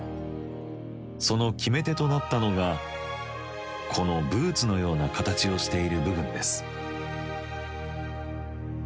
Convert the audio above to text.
その決め手となったのがこのブーツのような形をしている部分です。